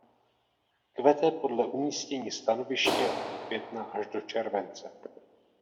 Kvete podle umístění stanoviště od května až do července.